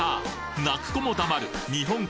泣く子も黙る日本海